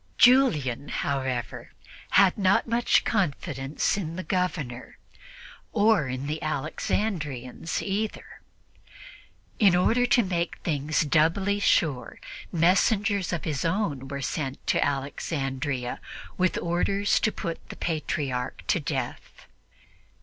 Julian, however, had not much confidence in the Governor, or in the Alexandrians either. In order to make things doubly sure, messengers of his own were sent to Alexandria with orders to put the Patriarch to death.